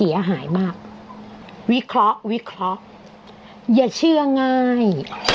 อย่าเชื่อง่าย